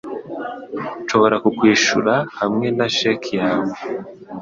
Nshobora kukwishura hamwe na cheque yawe